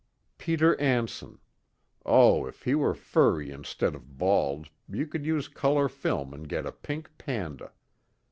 Peter Anson oh, if he were furry instead of bald you could use color film and get a pink panda.